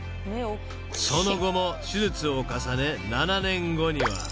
［その後も手術を重ね７年後には］